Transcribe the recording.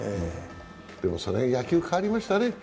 その辺、野球、変わりましたね。